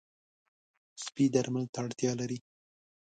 سپي درمل ته اړتیا لري.